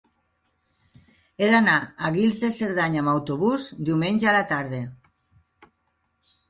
He d'anar a Guils de Cerdanya amb autobús diumenge a la tarda.